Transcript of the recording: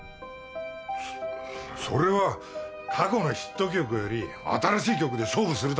そそれは過去のヒット曲より新しい曲で勝負するためだよ。